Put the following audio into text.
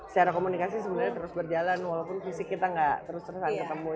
secara komunikasi sebenarnya terus berjalan walaupun fisik kita nggak terus terusan ketemu